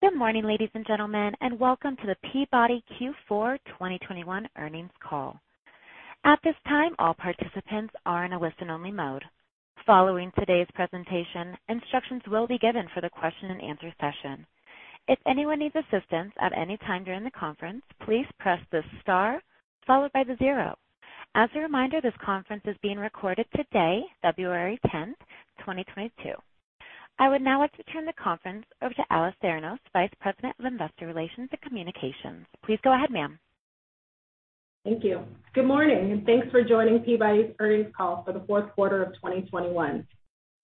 Good morning, ladies and gentlemen, and welcome to the Peabody Q4 2021 earnings call. At this time, all participants are in a listen-only mode. Following today's presentation, instructions will be given for the question-and-answer session. If anyone needs assistance at any time during the conference, please press the star followed by the zero. As a reminder, this conference is being recorded today, February 10th, 2022. I would now like to turn the conference over to Alice Tharenos, Vice President of Investor Relations and Communications. Please go ahead, ma'am. Thank you. Good morning, and thanks for joining Peabody's earnings call for the fourth quarter of 2021.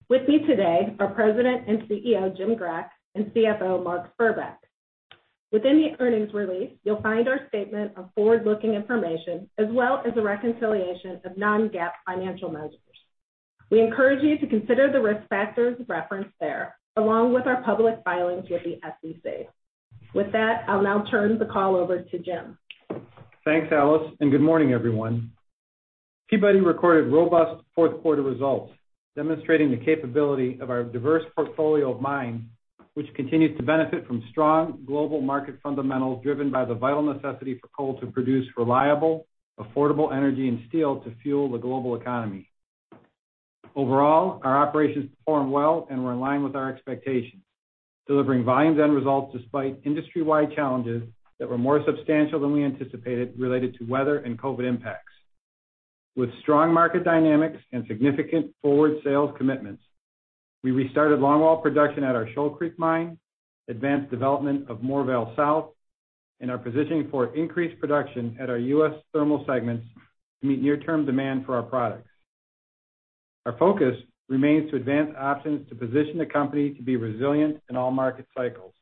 With me today are President and CEO Jim Grech, and CFO Mark Spurbeck. Within the earnings release, you'll find our statement of forward-looking information as well as a reconciliation of non-GAAP financial measures. We encourage you to consider the risk factors referenced there, along with our public filings with the SEC. With that, I'll now turn the call over to Jim. Thanks, Alice, and good morning, everyone. Peabody recorded robust fourth quarter results, demonstrating the capability of our diverse portfolio of mines, which continues to benefit from strong global market fundamentals driven by the vital necessity for coal to produce reliable, affordable energy and steel to fuel the global economy. Overall, our operations performed well and were in line with our expectations, delivering volumes and results despite industry-wide challenges that were more substantial than we anticipated related to weather and COVID impacts. With strong market dynamics and significant forward sales commitments, we restarted longwall production at our Shoal Creek mine, advanced development of Moorvale South, and are positioning for increased production at our U.S. Thermal segments to meet near-term demand for our products. Our focus remains to advance options to position the company to be resilient in all market cycles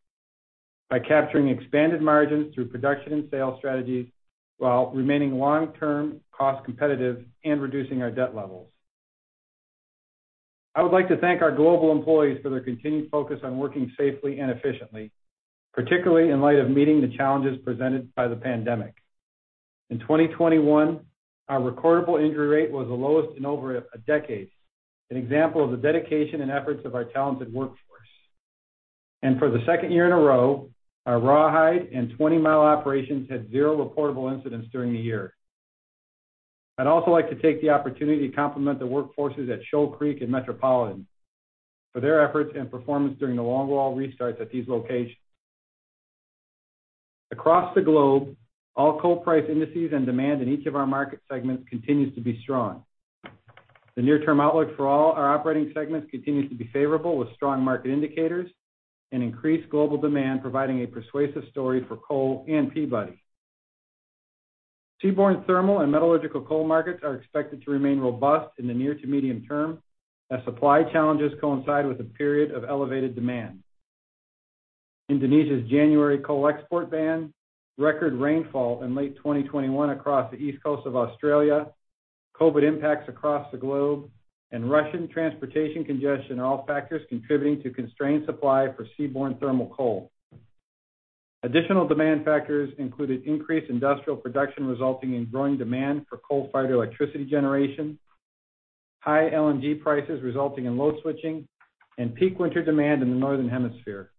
by capturing expanded margins through production and sales strategies while remaining long-term cost competitive and reducing our debt levels. I would like to thank our global employees for their continued focus on working safely and efficiently, particularly in light of meeting the challenges presented by the pandemic. In 2021, our recordable injury rate was the lowest in over a decade, an example of the dedication and efforts of our talented workforce. For the second year in a row, our Rawhide and Twentymile operations had zero recordable incidents during the year. I'd also like to take the opportunity to compliment the workforces at Shoal Creek and Metropolitan for their efforts and performance during the longwall restarts at these locations. Across the globe, all coal price indices and demand in each of our market segments continues to be strong. The near-term outlook for all our operating segments continues to be favorable with strong market indicators and increased global demand, providing a persuasive story for coal and Peabody. Seaborne thermal and metallurgical coal markets are expected to remain robust in the near to medium term as supply challenges coincide with a period of elevated demand. Indonesia's January coal export ban, record rainfall in late 2021 across the east coast of Australia, COVID impacts across the globe, and Russian transportation congestion are all factors contributing to constrained supply for seaborne thermal coal. Additional demand factors included increased industrial production resulting in growing demand for coal-fired electricity generation, high LNG prices resulting in load switching, and peak winter demand in the northern hemisphere.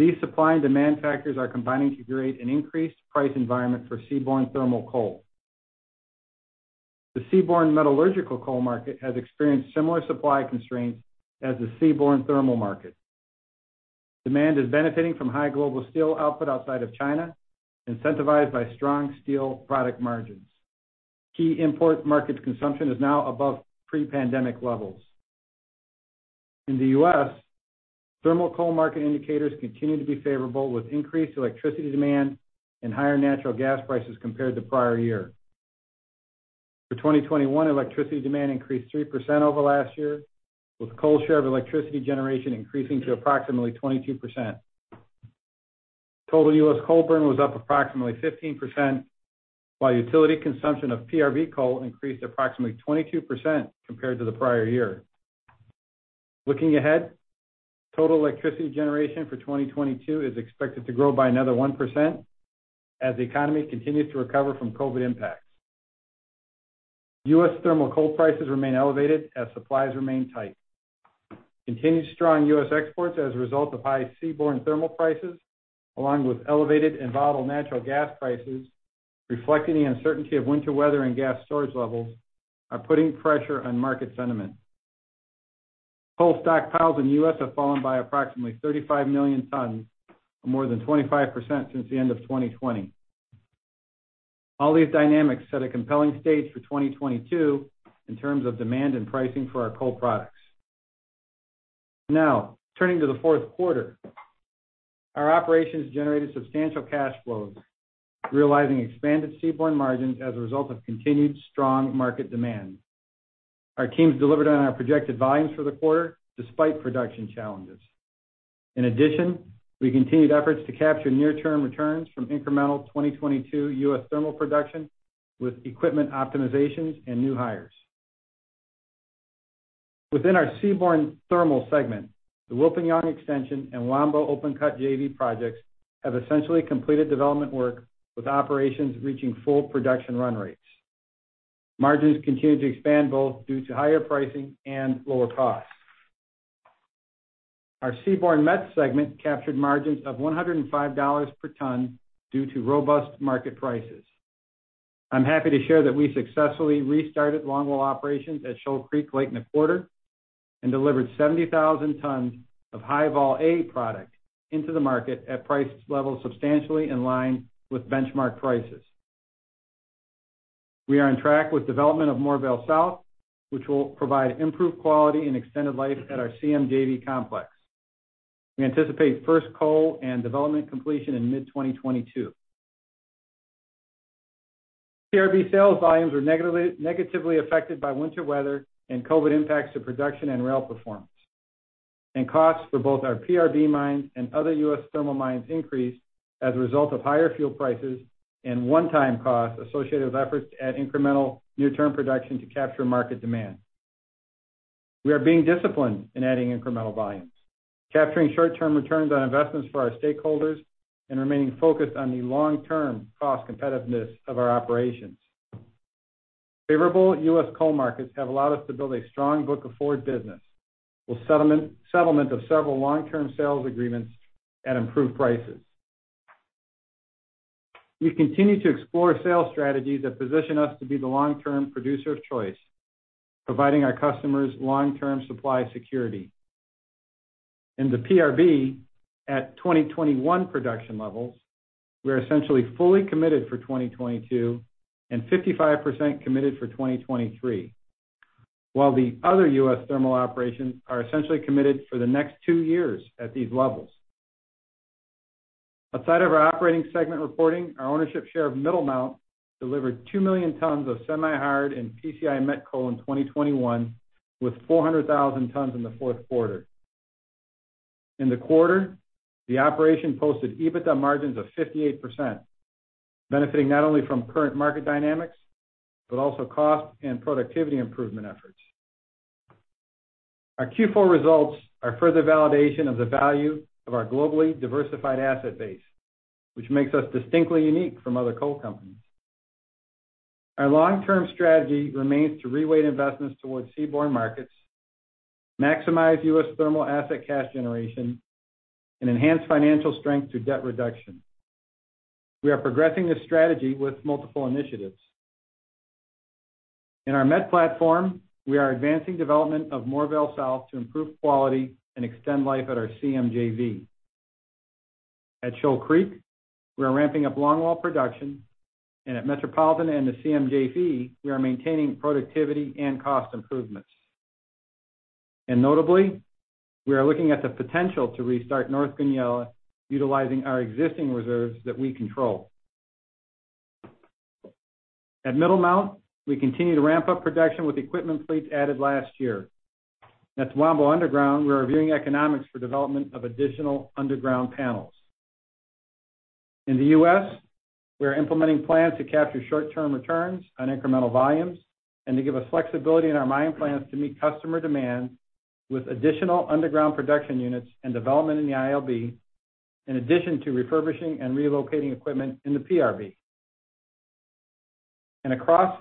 These supply and demand factors are combining to create an increased price environment for seaborne thermal coal. The seaborne metallurgical coal market has experienced similar supply constraints as the seaborne thermal market. Demand is benefiting from high global steel output outside of China, incentivized by strong steel product margins. Key import market consumption is now above pre-pandemic levels. In the U.S., thermal coal market indicators continue to be favorable with increased electricity demand and higher natural gas prices compared to prior year. For 2021, electricity demand increased 3% over last year, with coal share of electricity generation increasing to approximately 22%. Total U.S. coal burn was up approximately 15%, while utility consumption of PRB coal increased approximately 22% compared to the prior year. Looking ahead, total electricity generation for 2022 is expected to grow by another 1% as the economy continues to recover from COVID impacts. U.S. Thermal coal prices remain elevated as supplies remain tight. Continued strong U.S. exports as a result of high seaborne thermal prices, along with elevated and volatile natural gas prices reflecting the uncertainty of winter weather and gas storage levels, are putting pressure on market sentiment. Coal stockpiles in the U.S. have fallen by approximately 35 million tons or more than 25% since the end of 2020. All these dynamics set a compelling stage for 2022 in terms of demand and pricing for our coal products. Now, turning to the fourth quarter. Our operations generated substantial cash flows, realizing expanded seaborne margins as a result of continued strong market demand. Our teams delivered on our projected volumes for the quarter despite production challenges. In addition, we continued efforts to capture near-term returns from incremental 2022 U.S. Thermal production with equipment optimizations and new hires. Within our Seaborne Thermal segment, the Wilpinjong Extension and Wambo open cut JV projects have essentially completed development work, with operations reaching full production run rates. Margins continued to expand both due to higher pricing and lower costs. Our seaborne met segment captured margins of $105 per ton due to robust market prices. I'm happy to share that we successfully restarted longwall operations at Shoal Creek late in the quarter and delivered 70,000 tons of High Vol A product into the market at price levels substantially in line with benchmark prices. We are on track with development of Moorvale South, which will provide improved quality and extended life at our CMJV complex. We anticipate first coal and development completion in mid-2022. PRB sales volumes were negatively affected by winter weather and COVID impacts to production and rail performance. Costs for both our PRB mines and other U.S. Thermal mines increased as a result of higher fuel prices and one-time costs associated with efforts to add incremental near-term production to capture market demand. We are being disciplined in adding incremental volumes, capturing short-term returns on investments for our stakeholders, and remaining focused on the long-term cost competitiveness of our operations. Favorable U.S. coal markets have allowed us to build a strong book of forward business with settlement of several long-term sales agreements at improved prices. We continue to explore sales strategies that position us to be the long-term producer of choice, providing our customers long-term supply security. In the PRB, at 2021 production levels, we are essentially fully committed for 2022 and 55% committed for 2023, while the other U.S. Thermal operations are essentially committed for the next two years at these levels. Outside of our operating segment reporting, our ownership share of Middlemount delivered 2 million tons of semi-hard and PCI met coal in 2021, with 400,000 tons in the fourth quarter. In the quarter, the operation posted EBITDA margins of 58%, benefiting not only from current market dynamics, but also cost and productivity improvement efforts. Our Q4 results are further validation of the value of our globally diversified asset base, which makes us distinctly unique from other coal companies. Our long-term strategy remains to reweight investments towards seaborne markets, maximize U.S. Thermal asset cash generation, and enhance financial strength through debt reduction. We are progressing this strategy with multiple initiatives. In our met platform, we are advancing development of Moorvale South to improve quality and extend life at our CMJV. At Shoal Creek, we are ramping up longwall production, and at Metropolitan and the CMJV, we are maintaining productivity and cost improvements. Notably, we are looking at the potential to restart North Goonyella, utilizing our existing reserves that we control. At Middlemount, we continue to ramp up production with equipment fleets added last year. At Wambo Underground, we are reviewing economics for development of additional underground panels. In the U.S., we are implementing plans to capture short-term returns on incremental volumes and to give us flexibility in our mining plans to meet customer demand with additional underground production units and development in the ILB, in addition to refurbishing and relocating equipment in the PRB. Across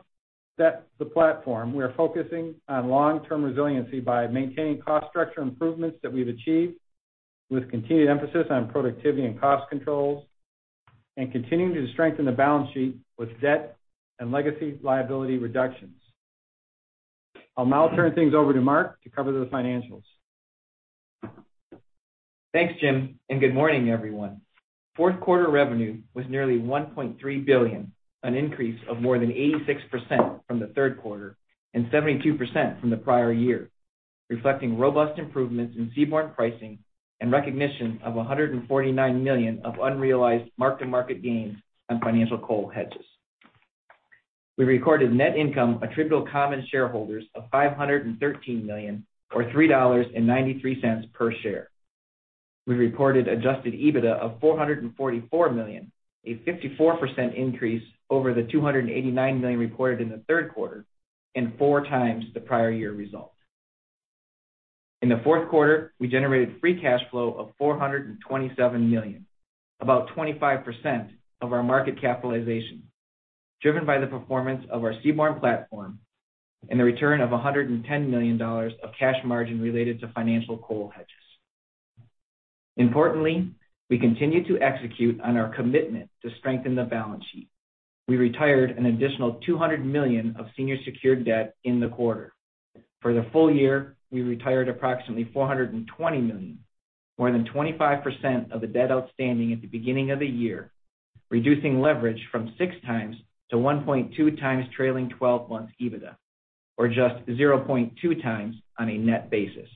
the platform, we are focusing on long-term resiliency by maintaining cost structure improvements that we've achieved with continued emphasis on productivity and cost controls, and continuing to strengthen the balance sheet with debt and legacy liability reductions. I'll now turn things over to Mark to cover the financials. Thanks, Jim, and good morning, everyone. Fourth quarter revenue was nearly $1.3 billion, an increase of more than 86% from the third quarter and 72% from the prior year, reflecting robust improvements in seaborne pricing and recognition of $149 million of unrealized mark-to-market gains on financial coal hedges. We recorded net income attributable to common shareholders of $513 million or $3.93 per share. We reported adjusted EBITDA of $444 million, a 54% increase over the $289 million reported in the third quarter and four times the prior year result. In the fourth quarter, we generated free cash flow of $427 million, about 25% of our market capitalization, driven by the performance of our Seaborne platform and the return of $110 million of cash margin related to financial coal hedges. Importantly, we continue to execute on our commitment to strengthen the balance sheet. We retired an additional $200 million of senior secured debt in the quarter. For the full year, we retired approximately $420 million, more than 25% of the debt outstanding at the beginning of the year, reducing leverage from 6x to 1.2x trailing twelve months EBITDA, or just 0.2x on a net basis.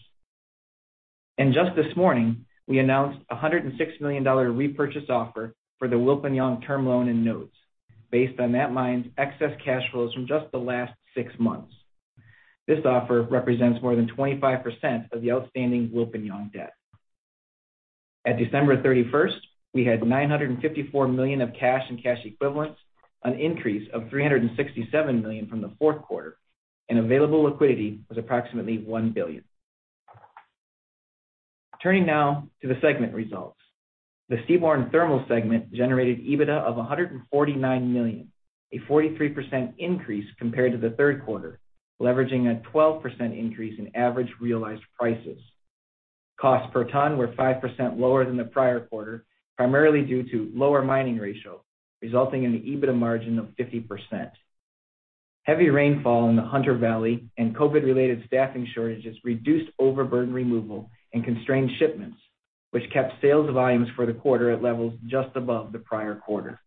Just this morning, we announced $106 million repurchase offer for the Wilpinjong term loan and notes based on that mine's excess cash flows from just the last six months. This offer represents more than 25% of the outstanding Wilpinjong debt. At December 31st, we had $954 million of cash and cash equivalents, an increase of $367 million from the fourth quarter, and available liquidity was approximately $1 billion. Turning now to the segment results. The Seaborne Thermal segment generated EBITDA of $149 million, a 43% increase compared to the third quarter, leveraging a 12% increase in average realized prices. Costs per ton were 5% lower than the prior quarter, primarily due to lower mining ratio, resulting in an EBITDA margin of 50%. Heavy rainfall in the Hunter Valley and COVID-related staffing shortages reduced overburden removal and constrained shipments, which kept sales volumes for the quarter at levels just above the prior quarter.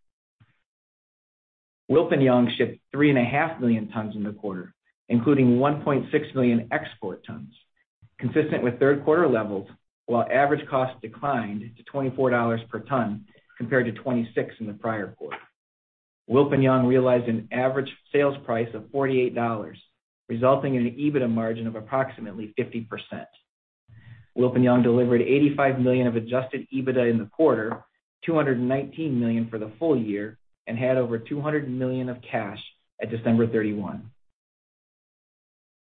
Wilpinjong shipped 3.5 million tons in the quarter, including 1.6 million export tons, consistent with third quarter levels, while average cost declined to $24 per ton compared to $26 in the prior quarter. Wilpinjong realized an average sales price of $48, resulting in an EBITDA margin of approximately 50%. Wilpinjong delivered $85 million of adjusted EBITDA in the quarter, $219 million for the full year, and had over $200 million of cash at December 31st.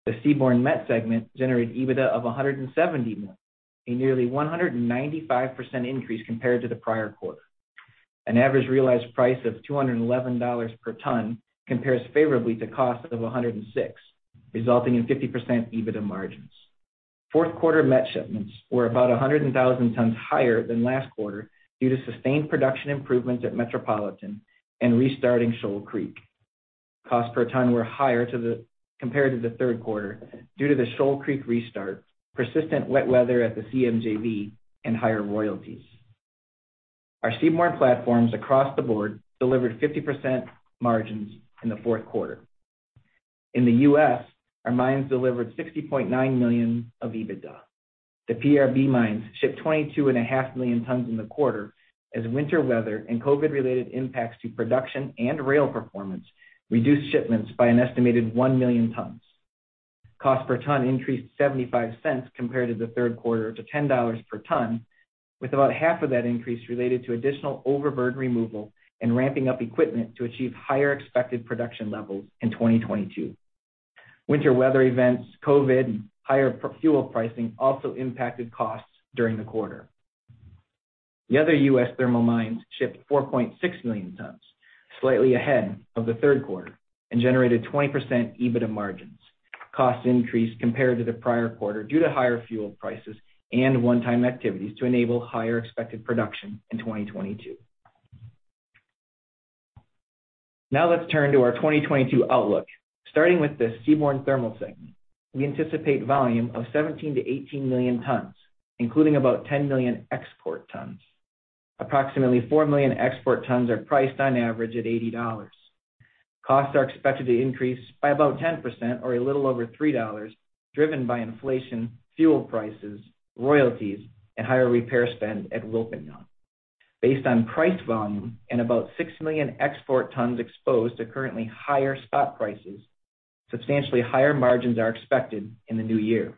The Seaborne Met segment generated EBITDA of $170 million, a nearly 195% increase compared to the prior quarter. An average realized price of $211 per ton compares favorably to cost of $106, resulting in 50% EBITDA margins. Fourth quarter Met shipments were about 100,000 tons higher than last quarter due to sustained production improvements at Metropolitan and restarting Shoal Creek. Cost per ton were higher compared to the third quarter due to the Shoal Creek restart, persistent wet weather at the CMJV, and higher royalties. Our Seaborne platforms across the board delivered 50% margins in the fourth quarter. In the U.S., our mines delivered $60.9 million of EBITDA. The PRB mines shipped 22.5 million tons in the quarter as winter weather and COVID-related impacts to production and rail performance reduced shipments by an estimated 1 million tons. Cost per ton increased $0.75 compared to the third quarter to $10 per ton, with about half of that increase related to additional overburden removal and ramping up equipment to achieve higher expected production levels in 2022. Winter weather events, COVID, higher fuel pricing also impacted costs during the quarter. The other U.S. Thermal mines shipped 4.6 million tons, slightly ahead of the third quarter and generated 20% EBITDA margins. Costs increased compared to the prior quarter due to higher fuel prices and one-time activities to enable higher expected production in 2022. Now let's turn to our 2022 outlook. Starting with the Seaborne Thermal segment, we anticipate volume of 17-18 million tons, including about 10 million export tons. Approximately 4 million export tons are priced on average at $80. Costs are expected to increase by about 10% or a little over $3 driven by inflation, fuel prices, royalties, and higher repair spend at Wilpinjong. Based on priced volume and about 6 million export tons exposed to currently higher spot prices, substantially higher margins are expected in the new year.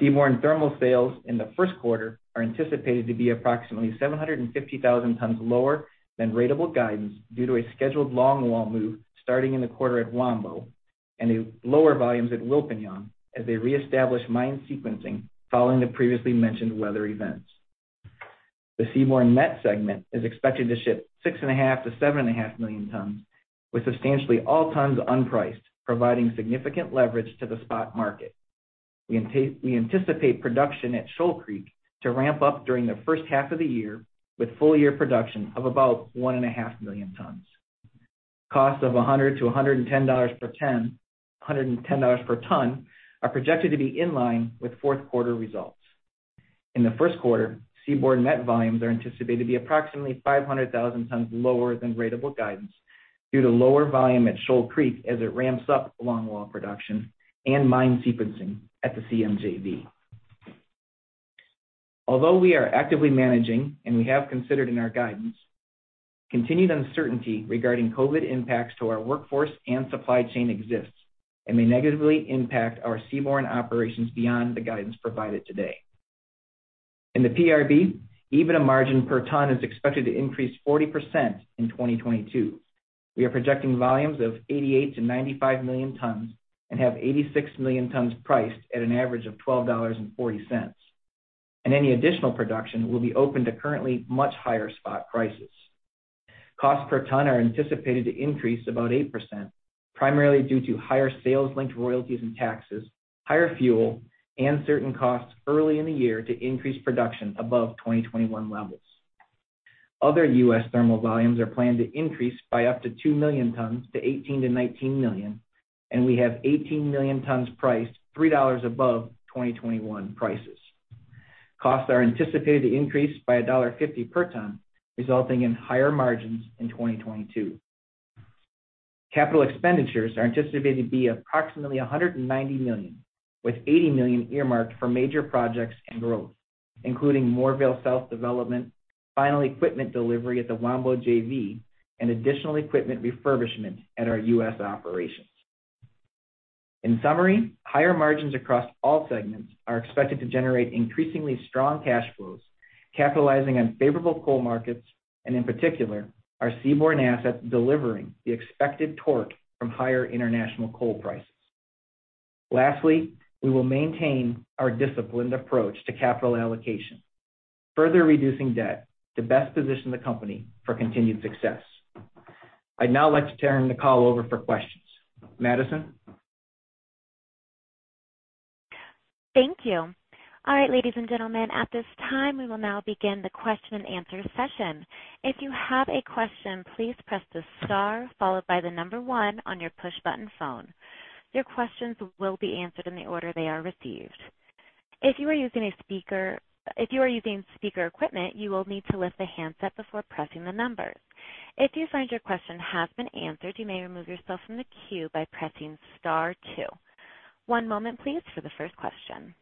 Seaborne Thermal sales in the first quarter are anticipated to be approximately 750,000 tons lower than ratable guidance due to a scheduled longwall move starting in the quarter at Wambo and lower volumes at Wilpinjong as they reestablish mine sequencing following the previously mentioned weather events. The Seaborne Met segment is expected to ship 6.5-7.5 million tons, with substantially all tons unpriced, providing significant leverage to the spot market. We anticipate production at Shoal Creek to ramp up during the first half of the year with full year production of about 1.5 million tons. Costs of $100-$110 per ton are projected to be in line with fourth quarter results. In the first quarter, Seaborne Met volumes are anticipated to be approximately 500,000 tons lower than ratable guidance due to lower volume at Shoal Creek as it ramps up longwall production and mine sequencing at the CMJV. Although we are actively managing and we have considered in our guidance, continued uncertainty regarding COVID impacts to our workforce and supply chain exists and may negatively impact our Seaborne operations beyond the guidance provided today. In the PRB, EBITDA margin per ton is expected to increase 40% in 2022. We are projecting volumes of 88-95 million tons and have 86 million tons priced at an average of $12.40, and any additional production will be open to currently much higher spot prices. Cost per ton are anticipated to increase about 8%, primarily due to higher sales linked royalties and taxes, higher fuel, and certain costs early in the year to increase production above 2021 levels. Other U.S. Thermal volumes are planned to increase by up to 2 million tons to 18-19 million, and we have 18 million tons priced $3 above 2021 prices. Costs are anticipated to increase by $1.50 per ton, resulting in higher margins in 2022. Capital expenditures are anticipated to be approximately $190 million, with $80 million earmarked for major projects and growth, including Moorvale South development, final equipment delivery at the Wambo JV, and additional equipment refurbishment at our U.S. operations. In summary, higher margins across all segments are expected to generate increasingly strong cash flows. Capitalizing on favorable coal markets, and in particular, our Seaborne assets delivering the expected torque from higher international coal prices. Lastly, we will maintain our disciplined approach to capital allocation, further reducing debt to best position the company for continued success. I'd now like to turn the call over for questions. Madison? Thank you. All right, ladies and gentlemen, at this time, we will now begin the question-and-answer session. If you have a question, please press the star followed by the number one on your push-button phone. Your questions will be answered in the order they are received. If you are using speaker equipment, you will need to lift the handset before pressing the numbers. If you find your question has been answered, you may remove yourself from the queue by pressing star two. One moment please for the first question.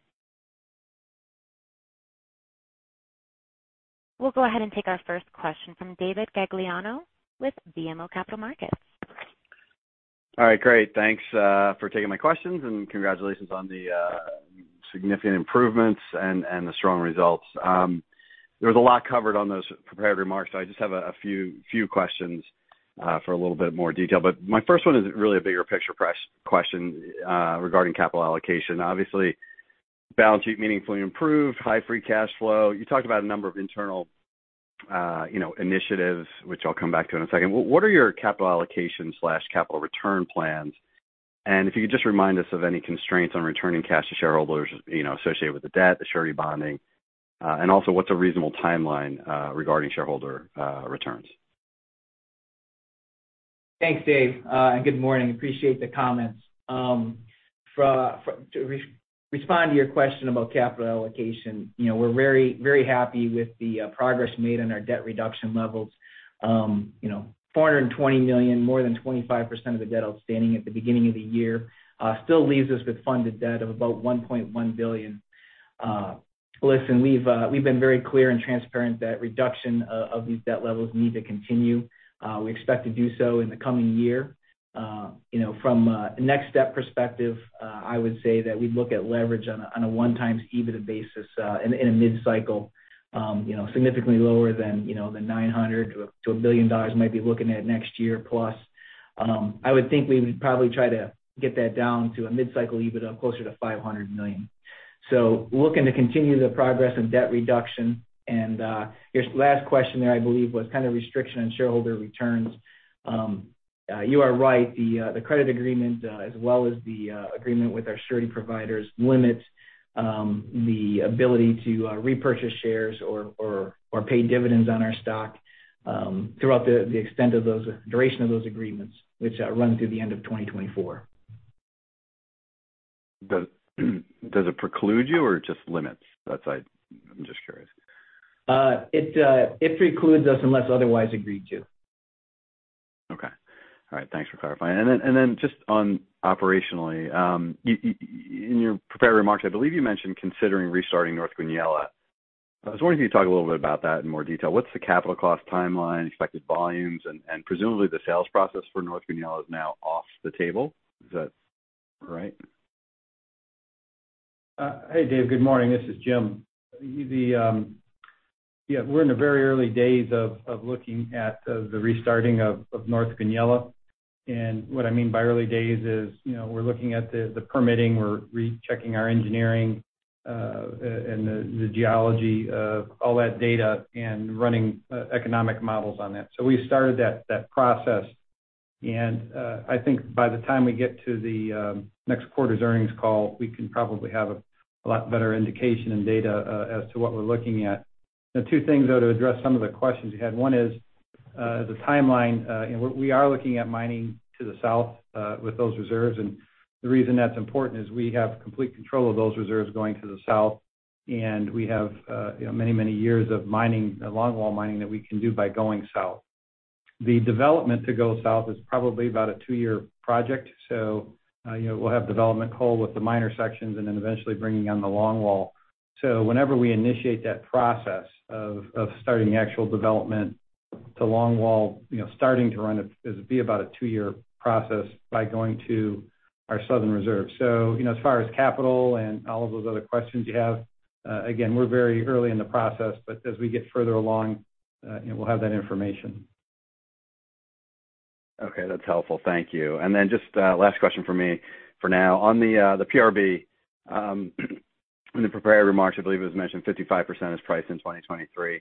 We'll go ahead and take our first question from David Gagliano with BMO Capital Markets. All right, great. Thanks for taking my questions and congratulations on the significant improvements and the strong results. There was a lot covered on those prepared remarks, so I just have a few questions for a little bit more detail. My first one is really a bigger picture question regarding capital allocation. Obviously, balance sheet meaningfully improved, high free cash flow. You talked about a number of internal, you know, initiatives, which I'll come back to in a second. What are your capital allocation/capital return plans? And if you could just remind us of any constraints on returning cash to shareholders, you know, associated with the debt, the surety bonding, and also what's a reasonable timeline regarding shareholder returns? Thanks, Dave. And good morning. Appreciate the comments. To respond to your question about capital allocation, you know, we're very, very happy with the progress made on our debt reduction levels. You know, $420 million, more than 25% of the debt outstanding at the beginning of the year, still leaves us with funded debt of about $1.1 billion. Listen, we've been very clear and transparent that reduction of these debt levels need to continue. We expect to do so in the coming year. From a next step perspective, I would say that we'd look at leverage on a 1x EBITDA basis in a mid-cycle, you know, significantly lower than, you know, the $900 million-$1 billion might be looking at next year plus. I would think we would probably try to get that down to a mid-cycle EBITDA closer to $500 million. Looking to continue the progress in debt reduction. Your last question there, I believe, was kind of restriction on shareholder returns. You are right. The credit agreement, as well as the agreement with our surety providers, limits the ability to repurchase shares or pay dividends on our stock throughout the duration of those agreements, which run through the end of 2024. Does it preclude you or just limits? I'm just curious. It precludes us unless otherwise agreed to. Okay. All right. Thanks for clarifying. Then just on operationally, in your prepared remarks, I believe you mentioned considering restarting North Goonyella. I was wondering if you could talk a little bit about that in more detail. What's the capital cost timeline, expected volumes, and presumably the sales process for North Goonyella is now off the table. Is that right? Hey, David. Good morning. This is Jim. Yeah, we're in the very early days of looking at the restarting of North Goonyella. What I mean by early days is, you know, we're looking at the permitting, we're rechecking our engineering, and the geology of all that data and running economic models on that. We started that process. I think by the time we get to the next quarter's earnings call, we can probably have a lot better indication and data as to what we're looking at. The two things, though, to address some of the questions you had. One is the timeline. We are looking at mining to the south with those reserves. The reason that's important is we have complete control of those reserves going to the south, and we have, you know, many, many years of mining, longwall mining that we can do by going south. The development to go south is probably about a two-year project. We'll have development coal with the minor sections and then eventually bringing on the longwall. Whenever we initiate that process of starting the actual development to longwall, you know, starting to run it'll be about a two-year process by going to our southern reserve. You know, as far as capital and all of those other questions you have, again, we're very early in the process, but as we get further along, you know, we'll have that information. Okay. That's helpful. Thank you. Then just last question from me for now. On the PRB, in the prepared remarks, I believe it was mentioned 55% is priced in 2023.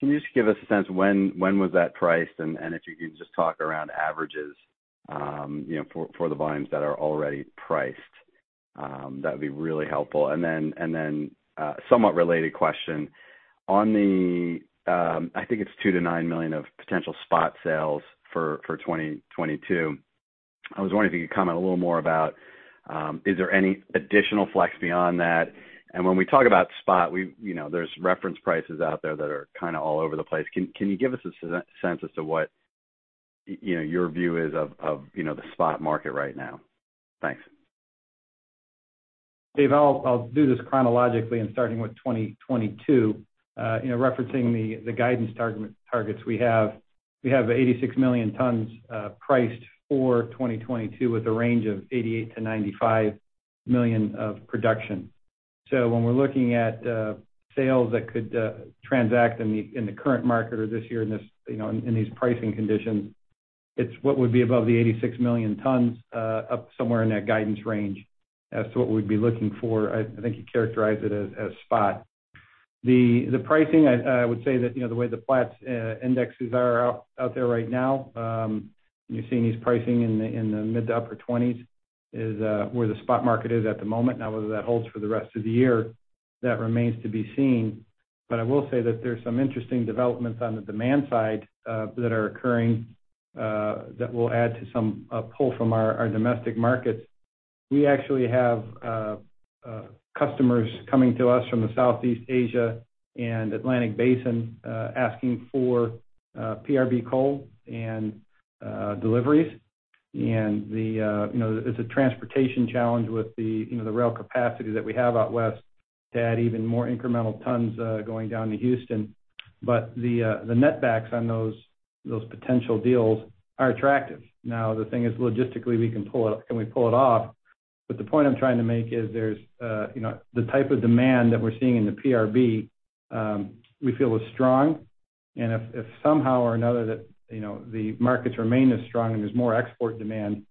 Can you just give us a sense when was that priced? And if you could just talk around averages, you know, for the volumes that are already priced, that'd be really helpful. Then somewhat related question. On the, I think it's $2 million-$9 million of potential spot sales for 2022, I was wondering if you could comment a little more about, is there any additional flex beyond that? And when we talk about spot, you know, there's reference prices out there that are kinda all over the place. Can you give us a sense as to what, you know, your view is of the spot market right now? Thanks. David, I'll do this chronologically and starting with 2022. You know, referencing the guidance targets we have. We have 86 million tons priced for 2022 with a range of 88-95 millions of production. When we're looking at sales that could transact in the current market or this year in this, you know, in these pricing conditions, it's what would be above the 86 million tons, up somewhere in that guidance range as to what we'd be looking for. I think you characterize it as spot. The pricing, I would say that, you know, the way the Platts indexes are out there right now, you're seeing these prices in the mid- to upper $20s, is where the spot market is at the moment. Now, whether that holds for the rest of the year, that remains to be seen. I will say that there's some interesting developments on the demand side that are occurring that will add to some pull from our domestic markets. We actually have customers coming to us from the Southeast Asia and Atlantic Basin asking for PRB coal and deliveries. You know, there's a transportation challenge with the rail capacity that we have out west to add even more incremental tons going down to Houston. The net backs on those potential deals are attractive. Now, the thing is, logistically, can we pull it off? The point I'm trying to make is you know, the type of demand that we're seeing in the PRB, we feel is strong. If somehow or another that you know the markets remain as strong and there's more export demand,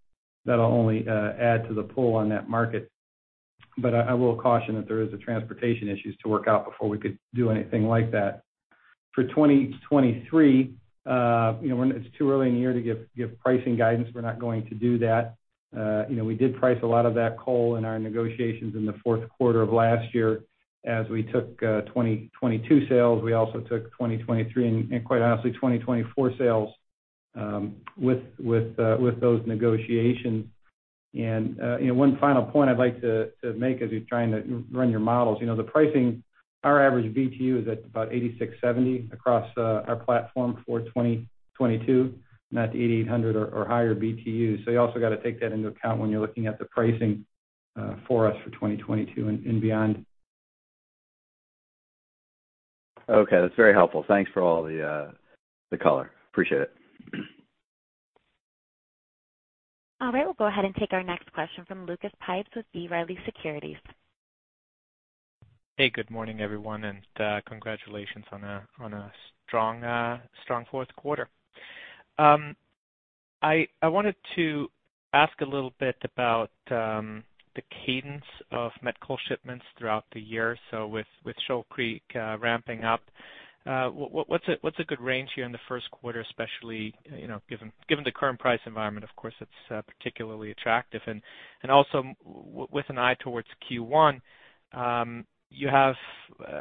that'll only add to the pull on that market. I will caution that there is a transportation issues to work out before we could do anything like that. For 2023, you know it's too early in the year to give pricing guidance, we're not going to do that. You know, we did price a lot of that coal in our negotiations in the fourth quarter of last year. As we took 2022 sales, we also took 2023 and quite honestly, 2024 sales with those negotiations. You know, one final point I'd like to make as you're trying to run your models. You know, the pricing, our average Btu is at about 8,670 across our platform for 2022, not 8,800 or higher Btu. You also got to take that into account when you're looking at the pricing for us for 2022 and beyond. Okay, that's very helpful. Thanks for all the color. Appreciate it. All right, we'll go ahead and take our next question from Lucas Pipes with B. Riley Securities. Hey, good morning, everyone, and congratulations on a strong fourth quarter. I wanted to ask a little bit about the cadence of met coal shipments throughout the year. With Shoal Creek ramping up, what's a good range here in the first quarter, especially you know given the current price environment, of course it's particularly attractive. Also with an eye towards Q1, you have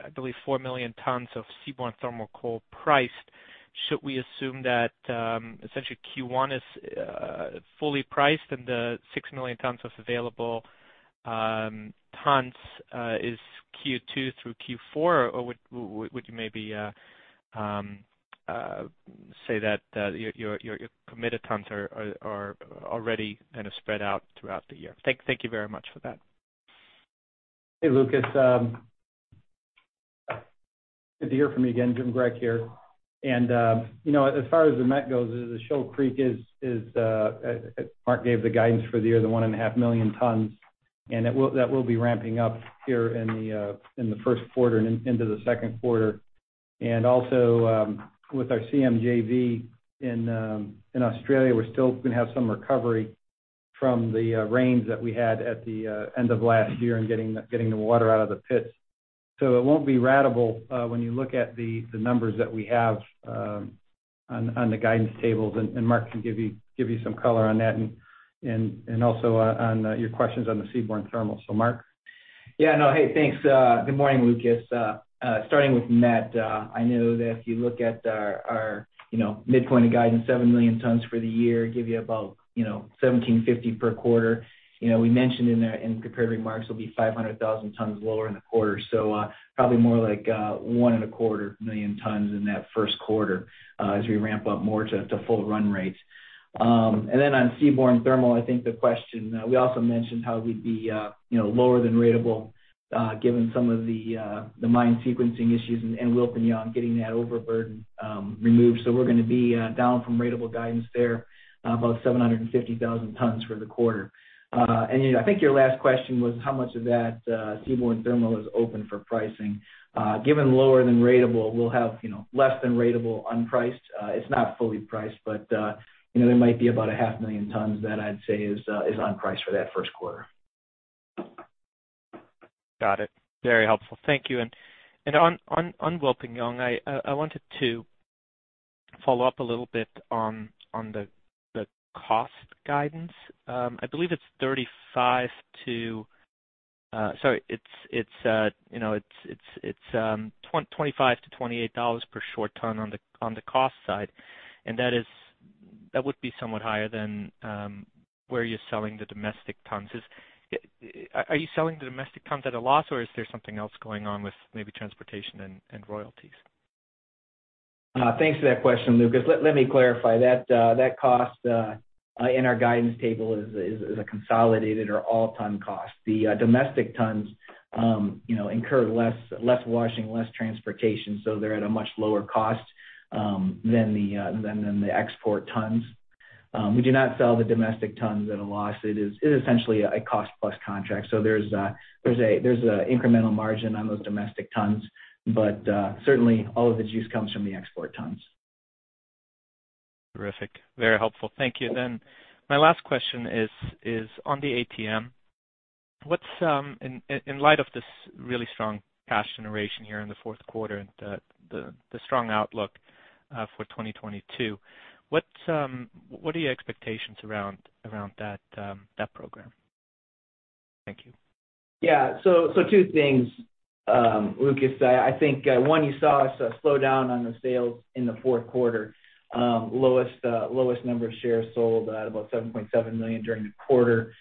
I believe 4 million tons of seaborne thermal coal priced. Should we assume that essentially Q1 is fully priced and the 6 million tons of available tons is Q2 through Q4? Or would you maybe say that your committed tons are already kind of spread out throughout the year? Thank you very much for that. Hey, Lucas, good to hear from you again. Jim Grech here. You know, as far as the met goes, the Shoal Creek is Mark gave the guidance for the year, 1.5 million tons, and that will be ramping up here in the first quarter and into the second quarter. With our CMJV in Australia, we're still gonna have some recovery from the rains that we had at the end of last year and getting the water out of the pits. It won't be ratable when you look at the numbers that we have on the guidance tables, and Mark can give you some color on that and also on your questions on the Seaborne Thermal. Mark? Yeah, no. Hey, thanks. Good morning, Lucas. Starting with met, I know that if you look at our midpoint of guidance, 7 million tons for the year, give you about 1,750 per quarter. You know, we mentioned in the prepared remarks, it'll be 500,000 tons lower in the quarter. Probably more like 1.25 million tons in that first quarter, as we ramp up more to full run rates. And then on Seaborne Thermal, I think the question, we also mentioned how we'd be lower than ratable, given some of the mine sequencing issues in Wilpinjong getting that overburden removed. We're gonna be down from ratable guidance there, about 750,000 tons for the quarter. You know, I think your last question was how much of that Seaborne Thermal is open for pricing. Given lower than ratable, we'll have, you know, less than ratable unpriced. It's not fully priced, but you know, there might be about 500,000 tons that I'd say is unpriced for that first quarter. Got it. Very helpful. Thank you. On Wilpinjong, I wanted to follow up a little bit on the cost guidance. I believe it's $25-$28 per short ton on the cost side, and that would be somewhat higher than where you're selling the domestic tons. Are you selling the domestic tons at a loss, or is there something else going on with maybe transportation and royalties? Thanks for that question, Lucas. Let me clarify that. That cost in our guidance table is a consolidated or all-ton cost. The domestic tons, you know, incur less washing, less transportation, so they're at a much lower cost than the export tons. We do not sell the domestic tons at a loss. It is essentially a cost-plus contract. There's an incremental margin on those domestic tons. Certainly all of the juice comes from the export tons. Terrific. Very helpful. Thank you. My last question is on the ATM. What's in light of this really strong cash generation here in the fourth quarter and the strong outlook for 2022, what are your expectations around that program? Thank you. Yeah. Two things, Lucas. I think one, you saw us slow down on the sales in the fourth quarter. Lowest number of shares sold at about 7.7 million during the quarter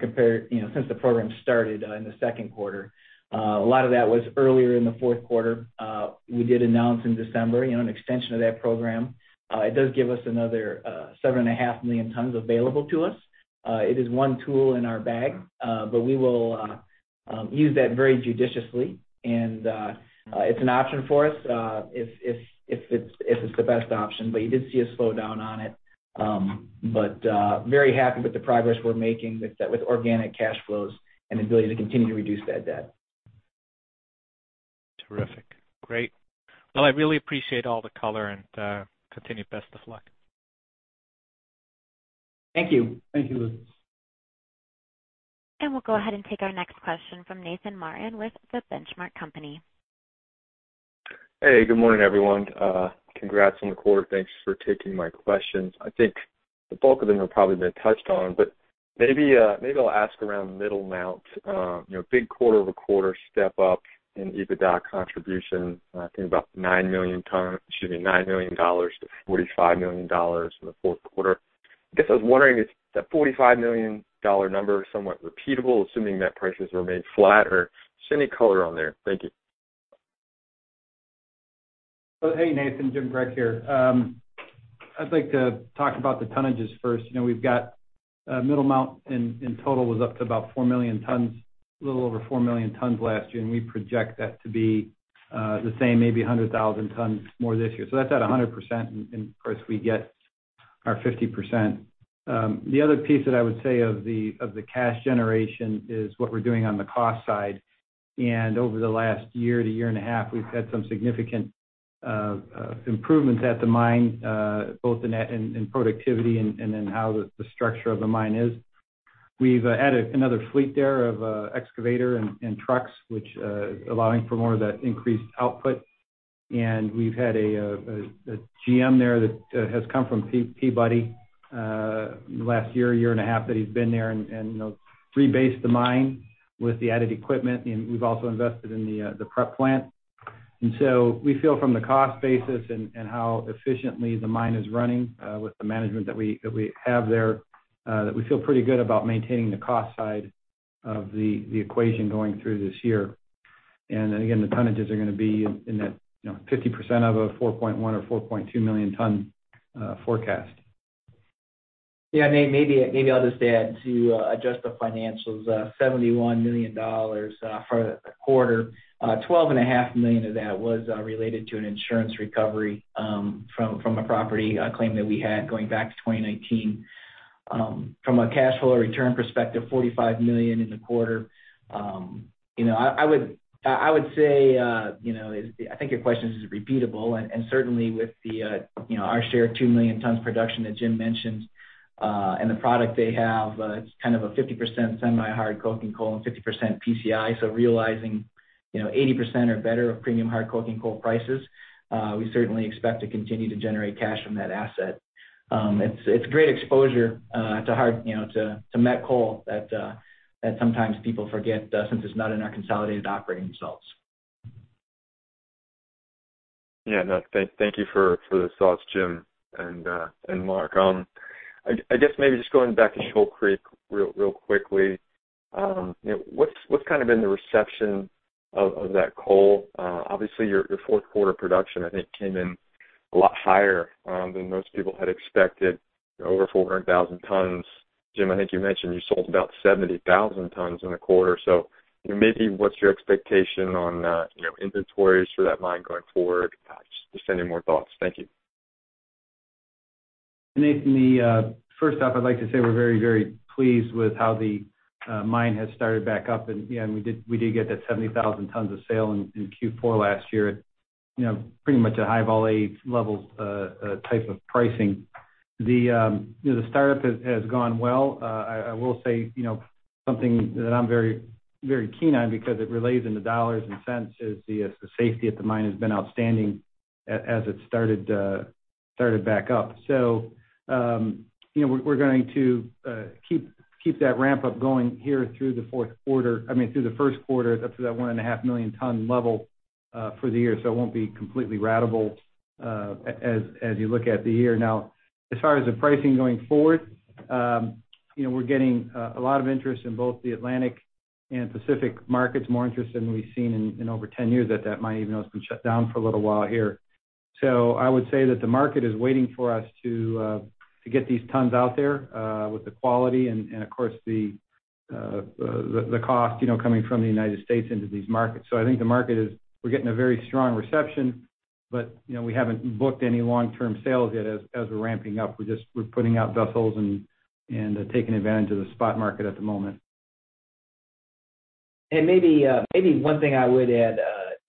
compared, you know, since the program started in the second quarter. A lot of that was earlier in the fourth quarter. We did announce in December, you know, an extension to that program. It does give us another 7.5 million tons available to us. It is one tool in our bag, but we will use that very judiciously. It's an option for us, if it's the best option. But you did see us slow down on it. Very happy with the progress we're making with organic cash flows and the ability to continue to reduce that debt. Terrific. Great. Well, I really appreciate all the color and continued best of luck. Thank you. Thank you, Lucas. We'll go ahead and take our next question from Nathan Martin with The Benchmark Company. Hey, good morning, everyone. Congrats on the quarter. Thanks for taking my questions. I think the bulk of them have probably been touched on, but maybe I'll ask around Middlemount. You know, big quarter-over-quarter step up in EBITDA contribution. I think about $90 million to $45 million in the fourth quarter. I guess I was wondering if that $45 million number is somewhat repeatable assuming that prices remain flat? Or just any color on there. Thank you. Hey, Nathan. Jim Grech here. I'd like to talk about the tonnages first. You know, we've got Middlemount in total was up to about 4 million tons, a little over 4 million tons last year, and we project that to be the same, maybe 100,000 tons more this year. That's at 100%, and of course, we get our 50%. The other piece that I would say of the cash generation is what we're doing on the cost side. Over the last year to year and a half, we've had some significant improvements at the mine, both in that and in productivity and in how the structure of the mine is. We've added another fleet there of excavator and trucks, which allowing for more of that increased output. We've had a GM there that has come from Peabody last year and a half that he's been there and, you know, rebased the mine with the added equipment. We've also invested in the prep plant. We feel from the cost basis and how efficiently the mine is running with the management that we have there that we feel pretty good about maintaining the cost side of the equation going through this year. The tonnages are gonna be in that 50% of a 4.1 or 4.2 million-ton forecast. Yeah. Maybe I'll just add to adjust the financials. $71 million for the quarter. $12.5 million of that was related to an insurance recovery from a property claim that we had going back to 2019. From a cash flow return perspective, $45 million in the quarter. You know, I would say, you know, I think your question is repeatable. Certainly with our share of 2 million tons production that Jim mentioned and the product they have, it's kind of a 50% semi-hard coking coal and 50% PCI. Realizing 80% or better of premium hard coking coal prices, we certainly expect to continue to generate cash from that asset. It's great exposure to hard, you know, to met coal that sometimes people forget since it's not in our consolidated operating results. Yeah. No. Thank you for the thoughts, Jim and Mark. I guess maybe just going back to Shoal Creek real quickly. You know, what's kind of been the reception of that coal? Obviously your fourth quarter production I think came in a lot higher than most people had expected, over 400,000 tons. Jim, I think you mentioned you sold about 70,000 tons in the quarter. You know, maybe what's your expectation on, you know, inventories for that mine going forward? Just any more thoughts. Thank you. Nathan, first off, I'd like to say we're very pleased with how the mine has started back up. Yeah, we did get that 70,000 tons of sale in Q4 last year at, you know, pretty much a High Vol A level type of pricing. The startup has gone well. I will say, you know, something that I'm very keen on because it relates into dollars and cents is the safety at the mine has been outstanding as it started back up. You know, we're going to keep that ramp-up going here through the fourth quarter, I mean, through the first quarter up to that 1.5 million ton level for the year. It won't be completely ratable, as you look at the year. Now, as far as the pricing going forward, you know, we're getting a lot of interest in both the Atlantic and Pacific markets, more interest than we've seen in over 10 years at that mine, even though it's been shut down for a little while here. I would say that the market is waiting for us to get these tons out there with the quality and of course the cost, you know, coming from the United States into these markets. We're getting a very strong reception, but you know, we haven't booked any long-term sales yet as we're ramping up. We're putting out vessels and taking advantage of the spot market at the moment. Maybe one thing I would add,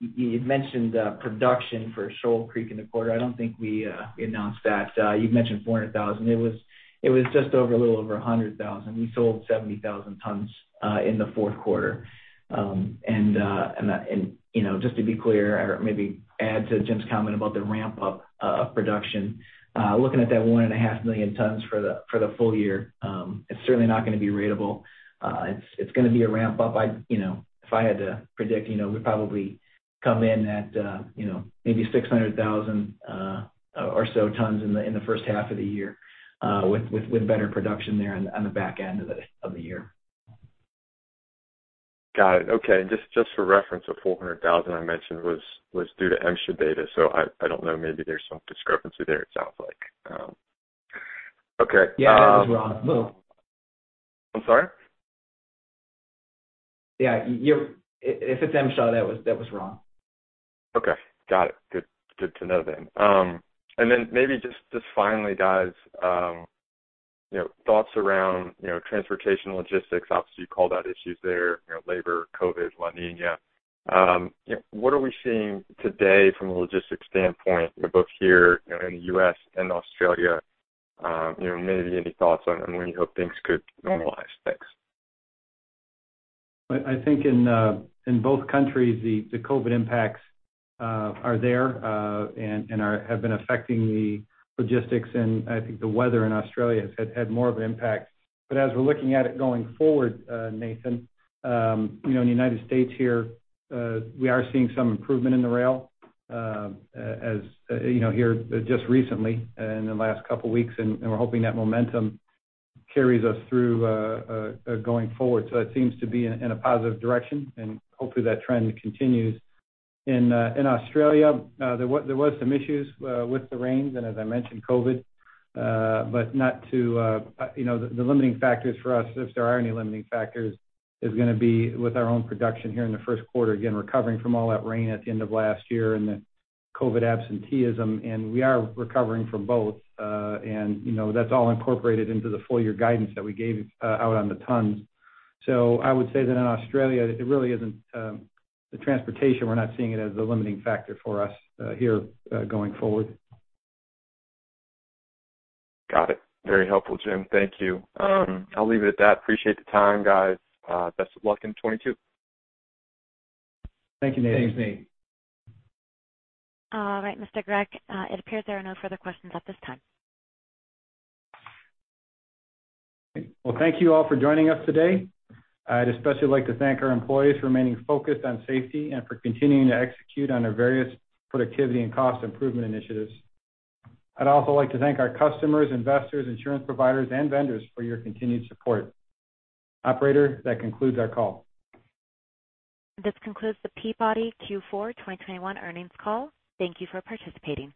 you mentioned production for Shoal Creek in the quarter. I don't think we announced that. You've mentioned 400,000. It was just over a little over 100,000. We sold 70,000 tons in the fourth quarter. You know, just to be clear or maybe add to Jim's comment about the ramp-up of production. Looking at that 1.5 million tons for the full year, it's certainly not gonna be ratable. It's gonna be a ramp up. I'd, you know, if I had to predict, you know, we'd probably come in at, maybe 600,000 or so tons in the first half of the year, with better production there on the back end of the year. Got it. Okay. Just for reference, the 400,000 I mentioned was due to MSHA data, so I don't know, maybe there's some discrepancy there, it sounds like. Okay. Yeah, that was wrong. I'm sorry? Yeah. If it's MSHA, that was wrong. Okay. Got it. Good. Good to know then. Maybe just finally, guys, you know, thoughts around, you know, transportation logistics. Obviously, you called out issues there, you know, labor, COVID, La Niña. What are we seeing today from a logistics standpoint, both here, you know, in the U.S. and Australia? You know, maybe any thoughts on when you hope things could normalize? Thanks. I think in both countries, the COVID impacts are there, and have been affecting the logistics and I think the weather in Australia has had more of an impact. As we're looking at it going forward, Nathan, you know, in the United States here, we are seeing some improvement in the rail, as you know, here just recently in the last couple weeks, and we're hoping that momentum carries us through going forward. It seems to be in a positive direction, and hopefully that trend continues. In Australia, there was some issues with the rains and as I mentioned, COVID, but not to the limiting factors for us, if there are any limiting factors, is gonna be with our own production here in the first quarter. Again, recovering from all that rain at the end of last year and the COVID absenteeism, and we are recovering from both. You know, that's all incorporated into the full year guidance that we gave out on the tons. I would say that in Australia it really isn't the transportation, we're not seeing it as the limiting factor for us here going forward. Got it. Very helpful, Jim. Thank you. I'll leave it at that. Appreciate the time, guys. Best of luck in 2022. Thank you, Nathan. Thanks, Nate. All right, Mr. Grech, it appears there are no further questions at this time. Well, thank you all for joining us today. I'd especially like to thank our employees for remaining focused on safety and for continuing to execute on our various productivity and cost improvement initiatives. I'd also like to thank our customers, investors, insurance providers, and vendors for your continued support. Operator, that concludes our call. This concludes the Peabody Q4 2021 earnings call. Thank you for participating.